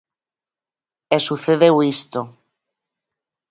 E sucedeu isto.